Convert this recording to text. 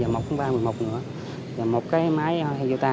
cái máy honda là sáu người và một cái máy toyota là sáu người